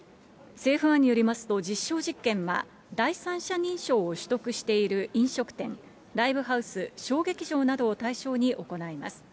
政府案によりますと、実証実験は第三者認証を取得している飲食店、ライブハウス、小劇場などを対象に行います。